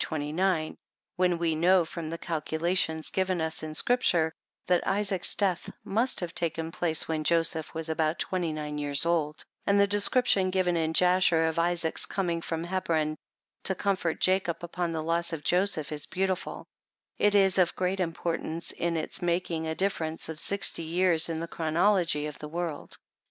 29, when we know from the calculations given us in Scripture, that Isaac's death, must have taken place when Joseph was about 29 years old ; and the description given in Jasher, of Isaac's coming from Hebron to comfort Jacob upon the loss of Joseph, is beautiful,) it is of great im portance, in its making a difference of 60 years in the chronology of the world.